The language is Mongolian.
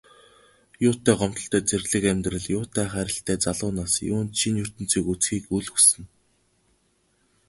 Юутай гомдолтой зэрлэг амьдрал, юутай хайрлалтай залуу нас, юунд шинэ ертөнцийг үзэхийг үл хүснэ.